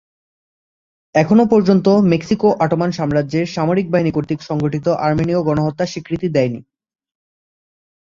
এখনও পর্যন্ত Mexico Ottoman সাম্রাজ্যের সামরিক বাহিনী কর্তৃক সংঘটিত আর্মেনীয় গণহত্যার স্বীকৃতি দেয়নি।